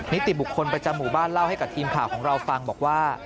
นิติบุคคลประจำหมู่บ้านเล่าให้กับทีมข่าวของเราฟังบอกว่า